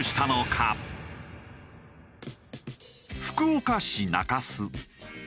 福岡市中洲。